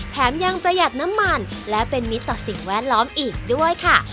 แถมยังประหยัดน้ำมันและเป็นมิตรต่อสิ่งแวดล้อมอีกด้วยค่ะ